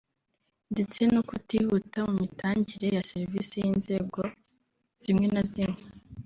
ndetse no kutihuta mu mitangire ya serivisi y’inzego zimwe na zimwe